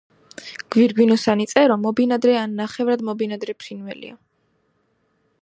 გვირგვინოსანი წერო მობინადრე ან ნახევრად მობინადრე ფრინველია.